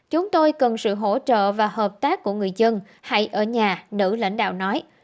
chúng tôi cần sự hỗ trợ và hợp tác của người dân hay ở nhà nữ lãnh đạo nói